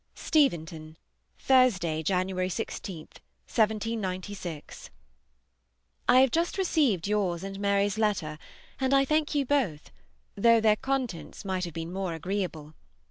STEVENTON, Thursday (January 16, 1796). I HAVE just received yours and Mary's letter, and I thank you both, though their contents might have been more agreeable.